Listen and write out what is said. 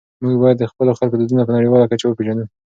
موږ باید د خپلو خلکو دودونه په نړيواله کچه وپېژنو.